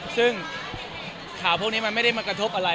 ซึ่งข่าวพวกนี้มันไม่ได้มากระทบอะไร